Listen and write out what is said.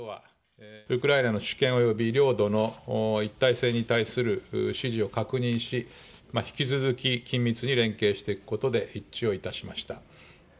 ウクライナの主権および領土の一体性に対する支持を確認し、引き続き緊密に連携していくことで一致をいたしました。